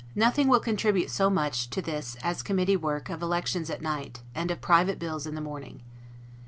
Nothing will contribute so much to this as committee work of elections at night, and of private bills in the morning.